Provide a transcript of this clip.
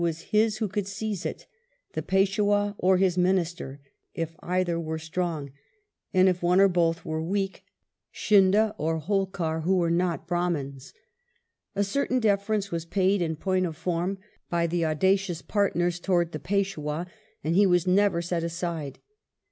was his who could seize it ; the Peishwah or his minister, if either were strong, and, if one or hoth were weak, Scindia or Holkar, who were not Brahmins. A certain deference was paid in point of fonn hy the audacious partners towards the Peishwah, and he was never set aside.